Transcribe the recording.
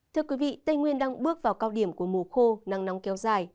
thưa quý vị tây nguyên đang bước vào cao điểm của mùa khô nắng nóng kéo dài